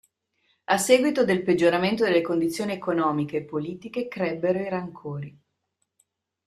A seguito del peggioramento delle condizioni economiche e politiche crebbero i rancori.